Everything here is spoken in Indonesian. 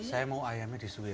saya mau ayamnya di sungai